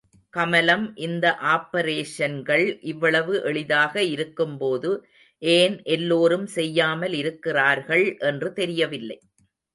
கமலம் இந்த ஆப்பரேஷன்கள் இவ்வளவு எளிதாக இருக்கும்போது ஏன் எல்லோரும் செய்யாமல் இருக்கிறார்கள் என்று தெரியவில்லை.